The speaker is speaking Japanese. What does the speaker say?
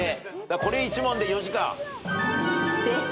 これ１問で４時間。